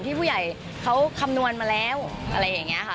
ผู้ใหญ่เขาคำนวณมาแล้วอะไรอย่างนี้ค่ะ